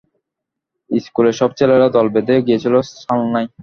ইস্কুলের সব ছেলেরা দল বেঁধে গিয়েছিল সালনায়।